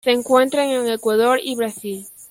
Se encuentra en Ecuador y Brasil.